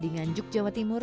di nganjuk jawa timur